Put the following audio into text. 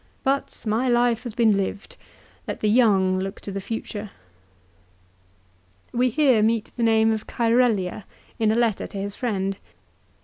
But my life has been lived. Let the young look to the future." We here meet the name of Cserellia, in a letter to his friend.